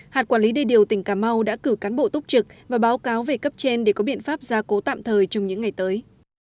hạt quản lý đê điều tỉnh cà mau đã cử cán bộ túc trực và báo cáo về cấp trên để có biện pháp gia cố tạm thời trong những ngày tới